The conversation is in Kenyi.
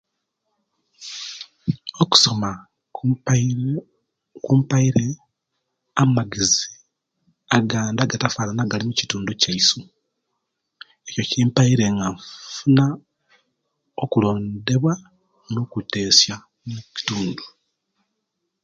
Okusoma kumpa ino kumpaire amagezi agandi agatafanana agali mukitundu kyaisu ekyo kumpire nga nfuna okulondewa nokutesya omukitundu